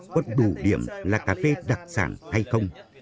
có đủ điểm là cà phê đặc sản hay không